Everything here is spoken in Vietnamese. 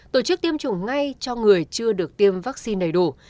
tổ chức tiêm chủng ngay cho người chưa được tiêm vaccine đầy đủ